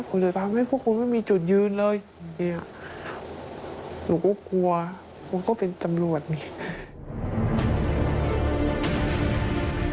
ผมจะทำให้พวกคุณไม่มีจุดยืนเลยหนูก็กลัวหนูก็เป็นตำรวจ